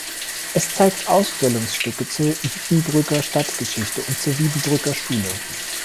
Es zeigt Ausstellungsstücke zur Wiedenbrücker Stadtgeschichte und zur Wiedenbrücker Schule.